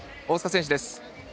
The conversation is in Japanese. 大塚選手です。